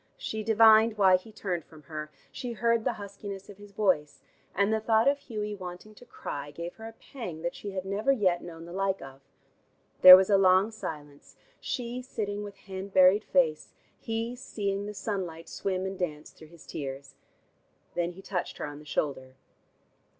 She divined why he turned from her, she heard the huskiness of his voice, and the thought of Hughie wanting to cry gave her a pang that she had never yet known the like of. There was a long silence, she sitting with hand buried face, he seeing the sunlight swim and dance through his tears. Then he touched her on the shoulder.